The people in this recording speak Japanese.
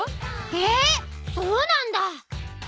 えっそうなんだ。